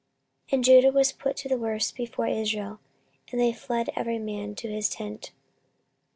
14:025:022 And Judah was put to the worse before Israel, and they fled every man to his tent.